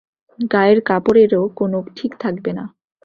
গায়ের কাপড়ের কোনও ঠিক থাকবে না।